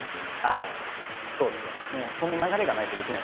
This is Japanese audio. ああそうですね。